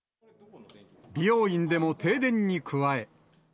美容院でも停電に加え。